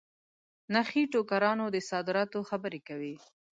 نخې ټوکرانو د صادراتو خبري کوي.